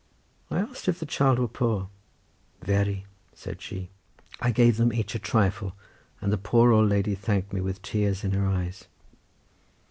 I asked if the children were poor. "Very," said she. I gave them each a trifle, and the poor old lady thanked me with tears in her eyes.